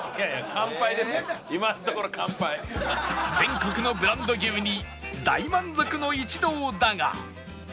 全国のブランド牛に大満足の一同だが